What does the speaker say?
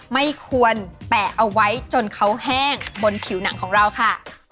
ไม่ควรแปะเอาไว้จนเขาแห้งบนผิวหนังของเราค่ะ